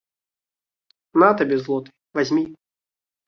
На табе злоты, вазьмі.